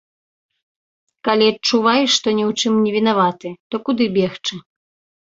Калі адчуваеш, што ні ў чым не вінаваты, то куды бегчы?